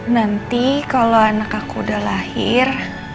nanti kalau anak aku udah lahir